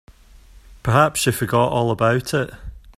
Perhaps she forgot all about it.